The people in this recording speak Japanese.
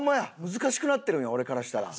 難しくなってるんや俺からしたら。